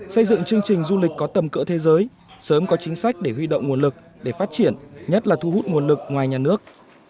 xây dựng chương trình du lịch có tầm cỡ thế giới sớm có chính sách để huy động nguồn lực để phát triển nhất là thu hút nguồn lực ngoài nhà nước